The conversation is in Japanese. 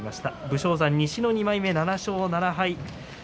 武将山、西の２枚目７勝７敗です。